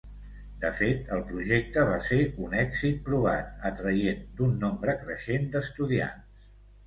De fet, el projecte va ser un èxit provat, atraient un nombre creixent d'estudiants.